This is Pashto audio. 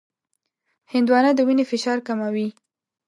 هندوانه د وینې فشار کموي.